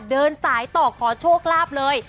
เดินสายต่อขอโชคลาภเลย